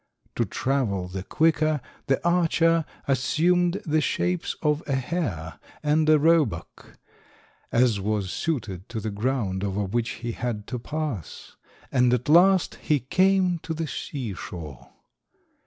To travel the quicker, the archer assumed the shapes of a hare and a roebuck, as was suited to the ground over which he had to pass, and at last he came to the sea shore.